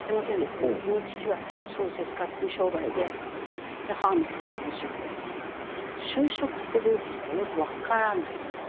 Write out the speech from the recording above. うちの父は小説家っていう商売で母も専業主婦だし就職ってどういうことかよく分からないと。